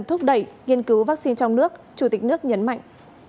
thúc đẩy nghiên cứu vaccine trong nước chủ tịch nước nhấn mạnh